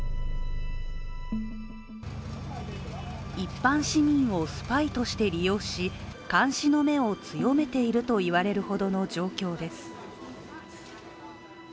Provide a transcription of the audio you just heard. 一般市民をスパイとして利用し監視の目を強めているといわれるほどの状況です。